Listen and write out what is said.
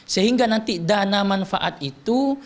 sehingga nanti dana manfaat itu